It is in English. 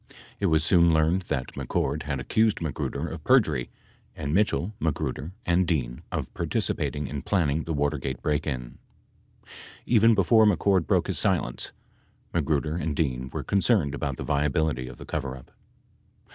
It was soon learned that McCord had accused Magruder of perjury and Mitchell, Magruder and Dean of participating in planning the Watergate break in. Even before Mc Cord broke his silence, Magruder and Dean were concerned about the viability of the coverup.